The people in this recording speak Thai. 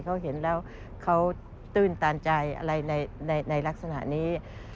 เขาเห็นแล้วเขาตื้นตันใจอะไรในลักษณะนี้